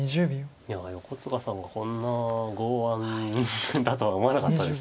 いや横塚さんがこんな剛腕だとは思わなかったです。